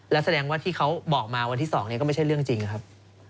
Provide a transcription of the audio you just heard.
แล้วแสดงว่าที่เขาบอกมาวันที่๒นี้ก็ไม่ใช่เรื่องจริงครับ